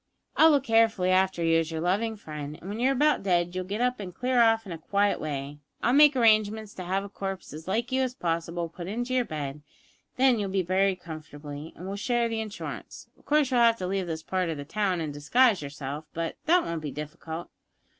I'll look carefully after you as your loving friend, and when you're about dead you'll get up and clear off in a quiet way. I'll make arrangements to have a corpse as like you as possible put in your bed, and then you'll be buried comfortably, and we'll share the insurance. Of course you'll have to leave this part of the town and disguise yourself, but that won't be difficult.